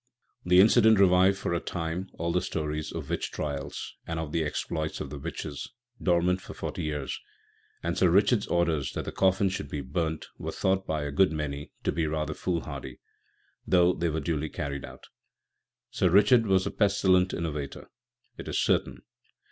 The incident revived for a time all the stories of witch trials and of the exploits of the witches, dormant for forty years, and Sir Richard's orders that the coffin should be burnt were thought by a good many to be rather foolhardy, though they were duly carried out. Sir Richard was a pestilent innovator, it is certain.